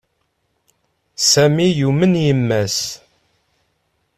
Sami yumen yemma-s.